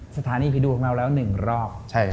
สถานีพิดูแล้ว๑รอบ